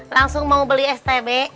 langsung mau beli stb